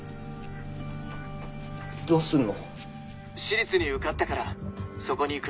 どうすんの？